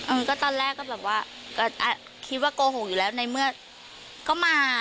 เออก็ตอนแรกก็แบบว่าคิดว่าโกหกอยู่แล้วในเมื่อก็มา